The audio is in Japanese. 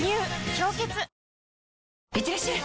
「氷結」いってらっしゃい！